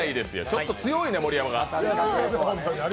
ちょっと強いね、盛山が。